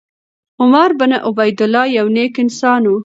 عمر بن عبیدالله یو نېک انسان و.